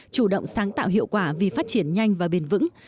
chủ động sáng tạo hiệu quả vì phát triển nhanh và bền vững